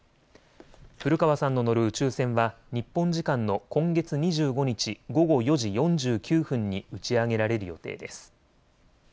古川さんの乗る宇宙船は日本時間の今月２５日午後４時４９分に打ち上げられる予定です。